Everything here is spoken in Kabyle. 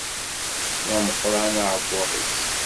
D ameqqran uɛebbuḍ-is.